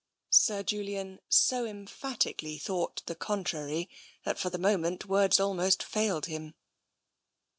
" Sir Julian so emphatically thought the contrary that for the moment words almost failed him.